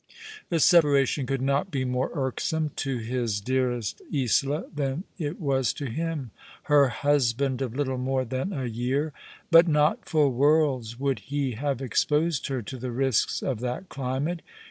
The separation could not be more irksome to his dearest Isola than it was to him, her husband of little more than a year : but not for worlds would he have exposed her to the risks of that climate.